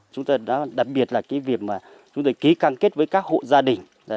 chúng tôi đã đặc biệt là cái việc mà chúng tôi ký can kết với các hộ gia đình